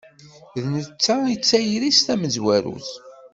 D netta i d tayri-s tamezwarut.